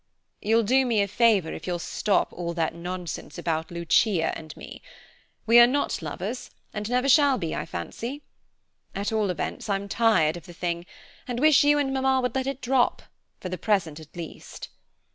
"You'll do me a favor if you'll stop all that nonsense about Lucia and me. We are not lovers, and never shall be, I fancy. At all events, I'm tired of the thing, and wish you and Mamma would let it drop, for the present at least."